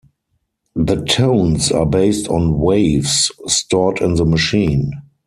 The tones are based on waves stored in the machine.